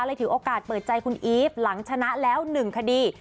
ถือโอกาสเปิดใจคุณอีฟหลังชนะแล้ว๑คดี